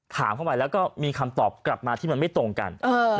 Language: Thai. เข้าไปแล้วก็มีคำตอบกลับมาที่มันไม่ตรงกัน